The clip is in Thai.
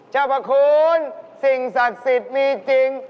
เจ้าพระคุณสิ่งศักดิ์สิทธิ์มีจริง